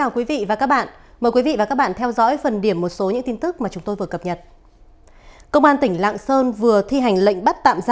các bạn hãy đăng ký kênh để ủng hộ kênh của chúng mình nhé